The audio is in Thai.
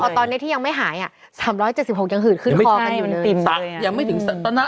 คือตอนนี้ที่ยังไม่หายต่อเนต่อแค่๓๗๖ยังขึ้นความยิงเลย